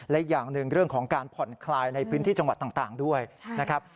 และอย่างหนึ่งเรื่องของการผ่อนคลายในพื้นที่จังหวัดต่างด้วยนะครับ